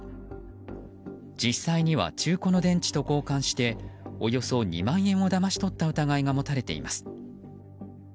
実際には、中古の電池と交換しておよそ２万円をだまし取った疑いが持たれています。